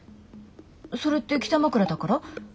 それって北枕だから？